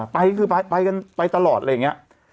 ไปก็คือไปกันไปตลอดอะไรอย่างนี้